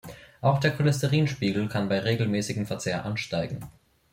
Auch der Cholesterinspiegel kann bei regelmäßigem Verzehr ansteigen.